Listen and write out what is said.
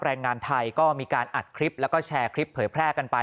แรงงานไทยก็มีการอัดคลิปแล้วก็แชร์คลิปเผยแพร่กันไป